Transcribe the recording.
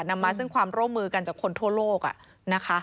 นำมาซึ่งความร่วมมือกันจากคนทั่วโลกนะคะ